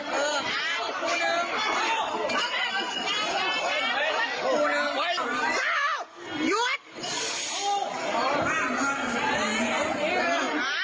อีกครูนึงอ่านี่อีกครูนึง